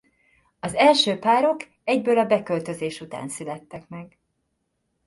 Az első párok egyből a beköltözés után születtek meg.